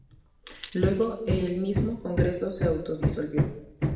Luego, el mismo Congreso se autodisolvió.